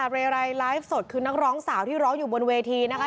เรไรไลฟ์สดคือนักร้องสาวที่ร้องอยู่บนเวทีนะคะ